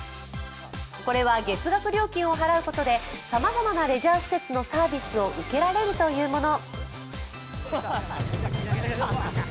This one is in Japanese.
これは月額料金を払うことでさまざまなレジャー施設のサービスを受けられるというもの。